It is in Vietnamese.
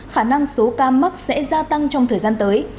khả năng số ca mắc sẽ gia tăng trong thời gian tới